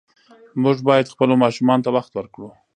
موږ باید خپلو ماشومانو ته وخت ورکړو.